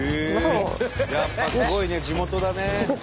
やっぱすごいね地元だね。